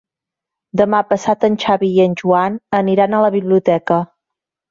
Demà passat en Xavi i en Joan aniran a la biblioteca.